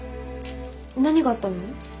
何があったの？